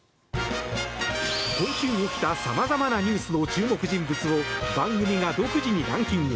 今週起きた様々なニュースの注目人物を番組が独自にランキング。